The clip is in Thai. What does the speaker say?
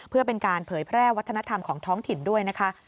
เพื่อเป็นการเผยแพร่วัฒนธรรมของท้องถิ่นด้วยนะคะ